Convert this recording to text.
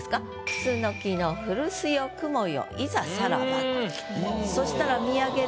「楠の古巣よ雲よいざさらば」。